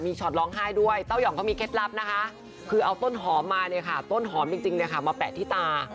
ช็อตร้องไห้ด้วยเต้ายองเขามีเคล็ดลับนะคะคือเอาต้นหอมมาเนี่ยค่ะต้นหอมจริงมาแปะที่ตา